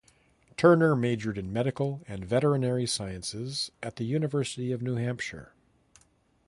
Turner majored in medical and veterinary sciences at the University of New Hampshire.